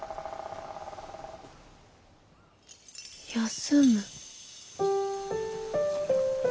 休む？